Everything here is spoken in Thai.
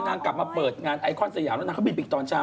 กลับมาเปิดงานไอคอนสยามแล้วนางเขาบินไปอีกตอนเช้า